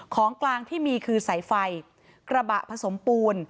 ของกลางที่มีคือสายไฟกระบะผสมปูน